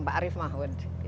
pak arief mahmud